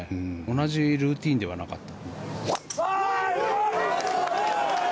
同じルーティンではなかった。